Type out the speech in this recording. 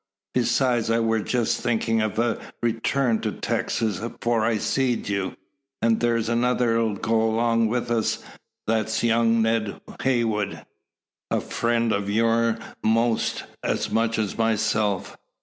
Besides, I war jest thinkin' o' a return to Texas, afore I seed you. An' thar's another 'll go along wi' us; that's young Ned Heywood, a friend o' your'n most as much as myself.